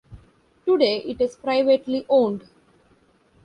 Today it is privately owned.